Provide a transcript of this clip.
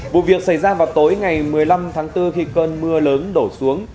vụ việc xảy ra vào tối ngày một mươi năm tháng bốn khi cơn mưa lớn đổ xuống